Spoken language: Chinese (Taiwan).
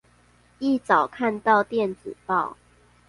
一早看到電子報